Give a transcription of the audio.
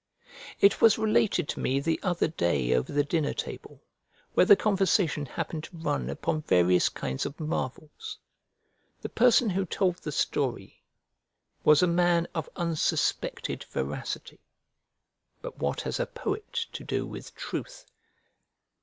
It was related to me the other day over the dinner table, where the conversation happened to run upon various kinds of marvels. The person who told the story was a man of unsuspected veracity: but what has a poet to do with truth?